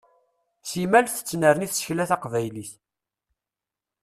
Simmal tettnerni tsekla taqnaylit.